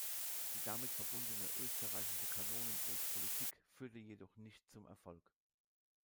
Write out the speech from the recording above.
Die damit verbundene österreichische Kanonenbootpolitik führte jedoch nicht zum Erfolg.